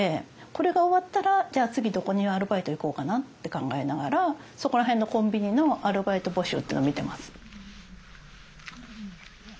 これが終わったらじゃあ次どこにアルバイト行こうかなって考えながらそこら辺のコンビニのアルバイト募集っていうの見てます。